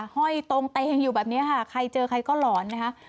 ห้อยตรงเตงอยู่แบบนี้ค่ะใครเจอใครก็หลอนนะคะ